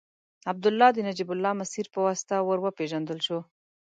عبدالله د نجیب الله مسیر په واسطه ور وپېژندل شو.